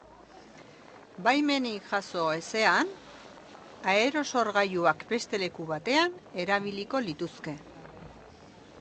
Baimenik jaso ezean, aerosorgailuak beste leku batean erabiliko lituzke.